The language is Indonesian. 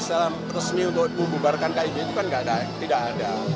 secara resmi untuk membubarkan kib itu kan tidak ada